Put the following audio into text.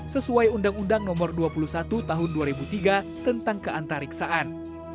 sesuai undang undang nomor dua puluh satu tahun dua ribu tiga tentang keantariksaan